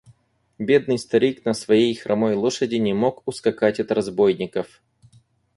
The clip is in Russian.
Бедный старик на своей хромой лошади не мог ускакать от разбойников.